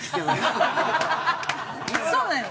そうなのよ。